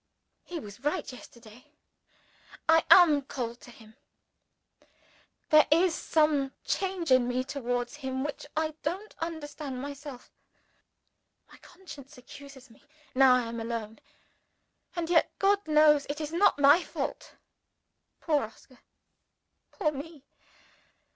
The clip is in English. He was right yesterday. I am cold to him; there is some change in me towards him, which I don't understand myself. My conscience accuses me, now I am alone and yet, God knows, it is not my fault. Poor Oscar! Poor me!